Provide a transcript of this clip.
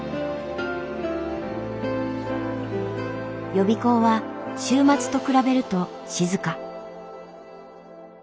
予備校は週末と比べると静か。